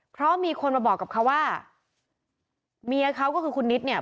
เพราะมีคนมาบอกกับเขาว่าเมียเขาก็คือคุณนิดเนี่ย